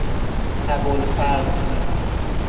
ابوالفضل